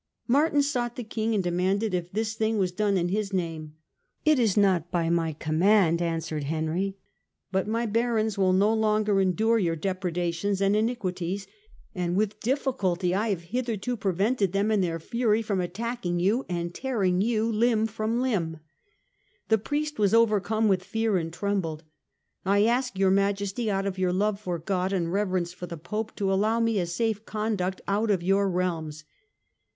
Martin sought the King and demanded if this thing was done in his name. " It is not by my command," answered Henry ;" but my Barons will no longer endure your depredations and iniquities ; and with difficulty I have hitherto prevented them in their fury from at tacking you and tearing you limb from limb." The priest was overcome with fear and trembled. " I ask your majesty, out of your love for God and reverence for the Pope, to allow me a safe conduct out of your realms."